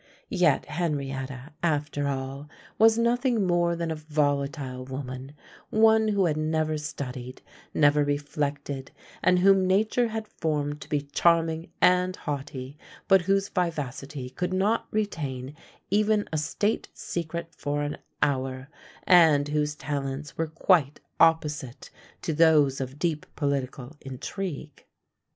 Yet Henrietta, after all, was nothing more than a volatile woman; one who had never studied, never reflected, and whom nature had formed to be charming and haughty, but whose vivacity could not retain even a state secret for an hour, and whose talents were quite opposite to those of deep political intrigue.